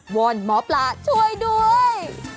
อนหมอปลาช่วยด้วย